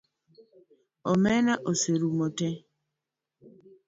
Omena oserumo te